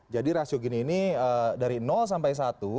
jadi rasio gini ini dari sampai satu